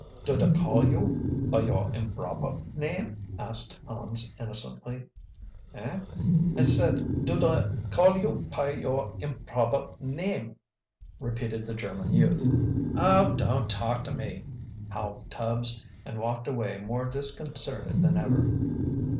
"Do da call you by your imbrober name?" asked Hans innocently. "Eh?" "I said, do da call you py your imbrober name?" repeated the German youth. "Oh, don't talk to me," howled Tubbs, and walked away more disconcerted than ever.